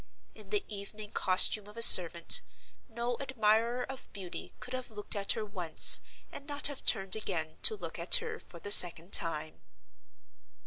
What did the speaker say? In the evening costume of a servant, no admirer of beauty could have looked at her once and not have turned again to look at her for the second time.